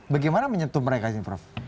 bagaimana menyentuh mereka ini prof